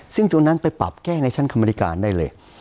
ซึ่งตัวนั้นไปปรับแก้ในชั้นกรรมธิการได้เลย